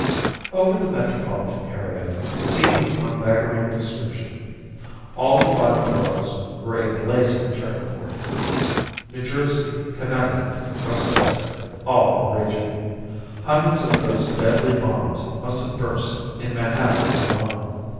Over the metropolitan area, the scene was one beggaring description. All the five boroughs were a blazing checker board. New Jersey, Connecticut, Westchester all were raging. Hundreds of those deadly bombs must have burst in Manhattan alone.